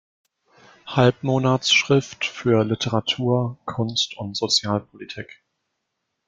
Halbmonatsschrift für Litteratur, Kunst und Sozialpolitik".